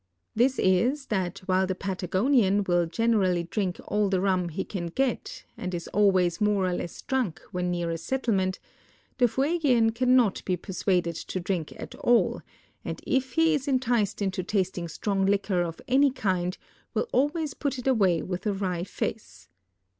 This is that while the Patagonian will generally drink all the rum he can get and is always more or less drunk when near a settlement, the Fuegian cannot be persuaded to drink at all, and if he is enticed into tasting strong liquor of any kind will alwa_ys put it away Avith a Avry face.